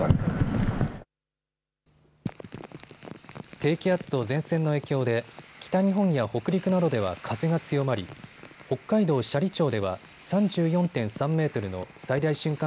低気圧と前線の影響で北日本や北陸などでは風が強まり、北海道斜里町では３４．３メートルの最大瞬間